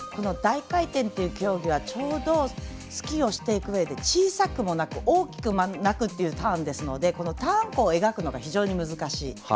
大回転という競技はスキーをしていくうえで小さくもなく大きくもなくというターンですのでターンを描くのが非常に難しい。